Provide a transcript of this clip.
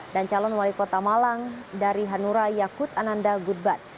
dan calon wali kota malang dari hanura yakut ananda gudban